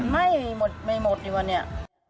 ไม่หมดไม่หมดดีกว่าเนี่ย